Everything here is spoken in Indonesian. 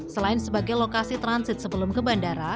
selain sebagai lokasi transit sebelum ke bandara